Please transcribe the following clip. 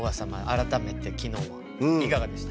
改めて昨日はいかがでした？